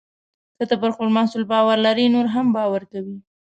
که ته پر خپل محصول باور لرې، نور هم باور کوي.